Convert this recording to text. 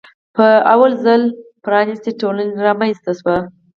په لومړي ځل پرانیستې ټولنه رامنځته شوه.